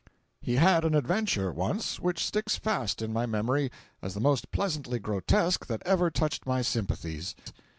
He had an adventure, once, which sticks fast in my memory as the most pleasantly grotesque that ever touched my sympathies.